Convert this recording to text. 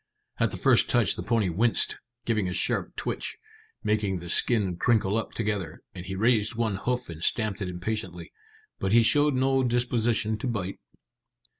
At the first touch the pony winced, giving a sharp twitch, making the skin crinkle up together; and he raised one hoof and stamped it impatiently, but he showed no disposition to bite.